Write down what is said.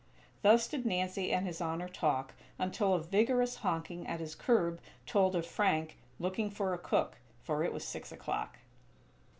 Thus did Nancy and His Honor talk, until a vigorous honking at his curb told of Frank, "looking for a cook," for it was six o'clock.